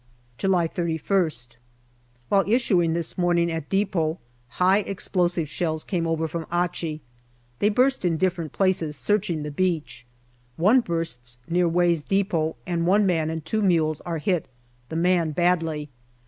July 3lst. While issuing this morning at depot, high explosive shells come over from Achi. They burst in different places, searching the beach. One bursts near Way's depot, and one man and two mules are hit, the man badly.